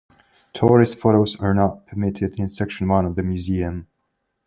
Tourist photos are not permitted in Section I of the museum.